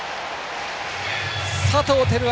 佐藤輝明